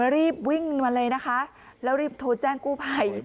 รีบวิ่งมาเลยนะคะแล้วรีบโทรแจ้งกู้ภัย